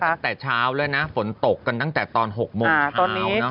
ตั้งแต่เช้าแล้วนะฝนตกกันตั้งแต่ตอน๖โมงเช้านะ